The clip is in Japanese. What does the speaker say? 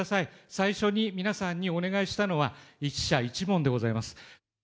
最初に皆さんにお願いしたのは、１社１問でございます。